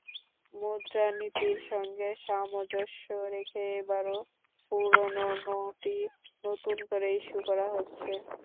মুদ্রানীতির সঙ্গে সামঞ্জস্য রেখে এবারও পুরোনো নোটই নতুন করে ইস্যু করা হচ্ছে।